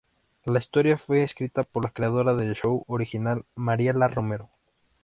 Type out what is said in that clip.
La historia fue escrita por la creadora del show original Mariela Romero.